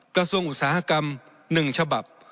กระทรวงอุตสาหกรรม๑ฉบับ